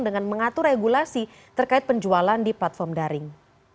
dengan mengatur regulasi terkait penjualan di platform daring